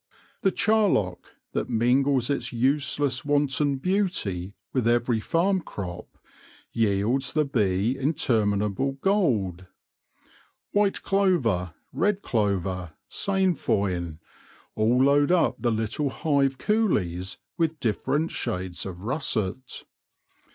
The charlock, that mingles its useless, wanton beauty with every farm crop, yields the bee interminable gold. White clover, red clover, sainfoin, all load up the little hive coolies with dif ferent shades of russet.